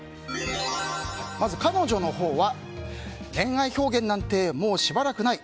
まず彼女のほうは恋愛表現なんてもうしばらくない。